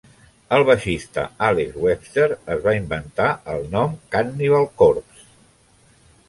El baixista Alex Webster es va inventar el nom "Cannibal Corpse".